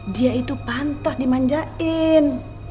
dia itu pantas dimanjain